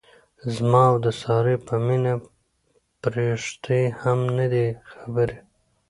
زما او د سارې په مینه پریښتې هم نه دي خبرې.